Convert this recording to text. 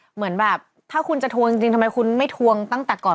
เหมือนแบบถ้าคุณจะทวงจริงทำไมคุณไม่ทวงตั้งแต่ก่อน